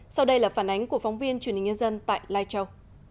sau đây là phản ánh của phóng viên truyền hình nhân dân tại lai châu